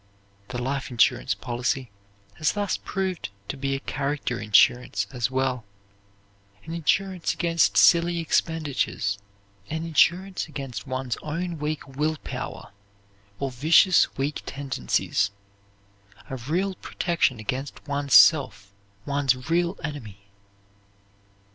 The life insurance policy has thus proved to be a character insurance as well, an insurance against silly expenditures, an insurance against one's own weak will power, or vicious, weak tendencies; a real protection against one's self, one's real enemy.